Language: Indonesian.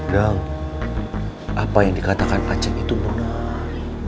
dang apa yang dikatakan pak ceng itu benar